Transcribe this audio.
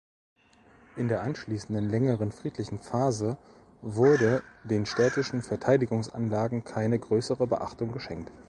In der anschließenden längeren friedlichen Phase wurde den städtischen Verteidigungsanlagen keine größere Beachtung geschenkt.